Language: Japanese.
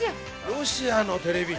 ロシアのテレビ？